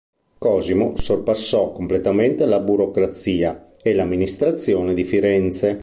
Cosimo sorpassò completamente la burocrazia e l'amministrazione di Firenze.